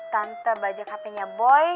tante bajak hp nya boy